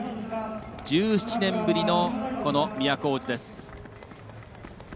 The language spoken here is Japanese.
１７年ぶりの、都大路です。